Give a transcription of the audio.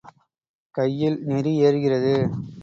கையில் நெறி ஏறுகிறது.